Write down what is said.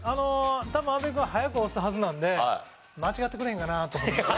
多分阿部君は早く押すはずなので間違ってくれへんかなと思います。